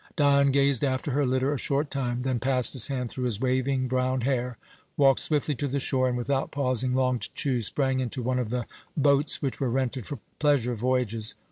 Dion gazed after her litter a short time, then passed his hand through his waving brown hair, walked swiftly to the shore and, without pausing long to choose, sprang into one of the boats which were rented for pleasure voyages.